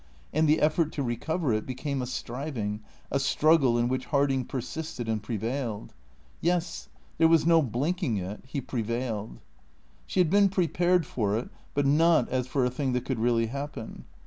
And the effort to recover it became a striving, a struggle in which Harding persisted and prevailed. Yes, there was no blinking it, he prevailed. She had been prepared for it, but not as for a thing that could really happen.